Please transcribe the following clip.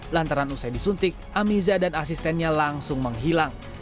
lantaran usai disuntik amiza dan asistennya langsung menghilang